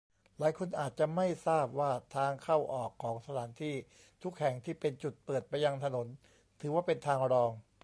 หลายคนอาจจะไม่ทราบ ว่าทางเข้าออกของสถานที่ทุกแห่งที่เป็นจุดเปิดไปยังถนน ถือว่าเป็นทางรอง